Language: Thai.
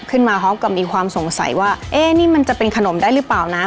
พร้อมกับมีความสงสัยว่าเอ๊ะนี่มันจะเป็นขนมได้หรือเปล่านะ